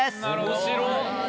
面白っ！